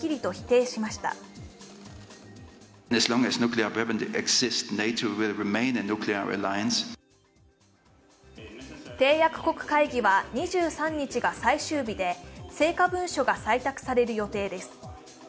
締約国会議は２３日が最終日で成果文書が採択される予定です。